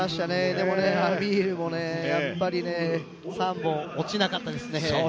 でもね、Ａｍｉｒもやっぱりね３本、落ちなかったですね。